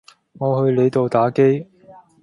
我去你度打機